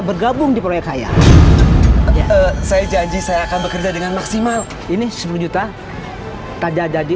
bergabung di proyek saya saya janji saya akan bekerja dengan maksimal ini sepuluh juta tak ada jadi